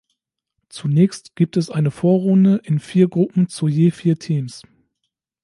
Zunächst gibt es eine Vorrunde in vier Gruppen zu je vier Teams.